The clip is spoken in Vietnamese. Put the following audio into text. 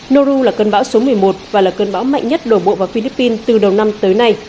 noru là cơn bão số một mươi một và là cơn bão mạnh nhất đổ bộ vào philippines từ đầu năm tới nay